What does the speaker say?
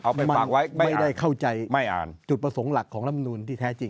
เอาไปฝากไว้ไม่อ่านไม่ได้เข้าใจจุดประสงค์หลักของรัฐมนูญที่แท้จริง